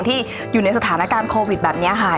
ที่อยู่ในสถานการณ์โควิดแบบนี้ค่ะ